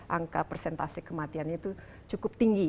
angka persentase kematiannya itu cukup tinggi